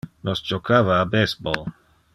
Nos jocava a baseball.